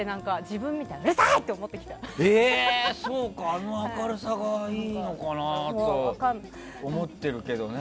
そうか、あの明るさがいいのかなと思ってるけどね。